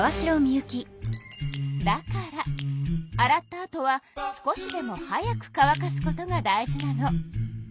だから洗ったあとは少しでも早く乾かすことが大事なの。